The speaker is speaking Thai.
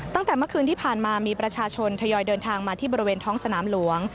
ตั้งแต่เมื่อคืนที่ผ่านมามีประชาชนทยอยเดินทางมาที่บริเวณท้องสนามหลวง